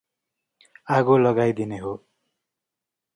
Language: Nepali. आगो लगाइदिने हो ।